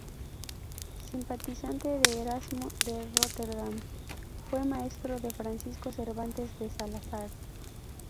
Simpatizante de Erasmo de Róterdam, fue maestro de Francisco Cervantes de Salazar.